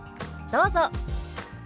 どうぞ。